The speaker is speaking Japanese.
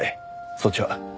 そっちは？